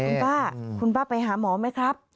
คุณป้าคุณป้าไปหาหมอไหมครับ